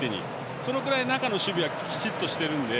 そのくらい中の守備はきちっとしているので。